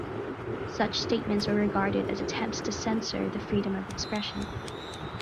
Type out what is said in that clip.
Such statements were regarded as attempts to censor the freedom of expression.